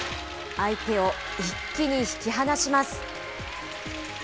相手を一気に引き離します。